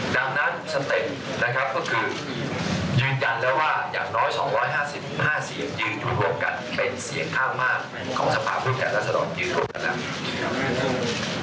ดังนั้นสเต็ปนะครับก็คือยืนยันแล้วว่าอย่างน้อย๒๕๕เสียงยืนอยู่รวมกันเป็นเสียงข้างมากของสภาพผู้แทนรัศดรยืนรวมกันแล้ว